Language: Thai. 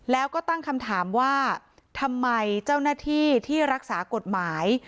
แล้วก็ตั้งคำถามว่าทำไมเจ้าหน้าที่ที่รักษากฎหมาย